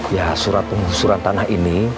ya surat pengusuran tanah ini